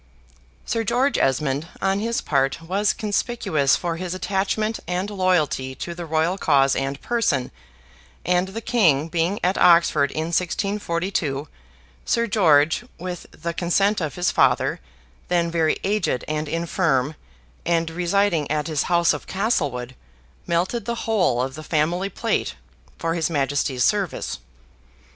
Sir George Esmond, on his part, was conspicuous for his attachment and loyalty to the Royal cause and person: and the King being at Oxford in 1642, Sir George, with the consent of his father, then very aged and infirm, and residing at his house of Castlewood, melted the whole of the family plate for his Majesty's service.